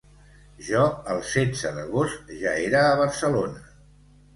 Jo el setze d'agost ja era a Barcelona.